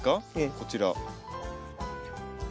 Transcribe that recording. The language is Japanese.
こちら。